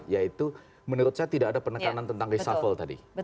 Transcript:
yaitu menurut saya tidak ada penekanan tentang reshuffle tadi